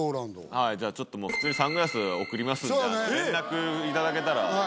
はい、じゃあ、ちょっとサングラス送りますんで、連絡いただけたら。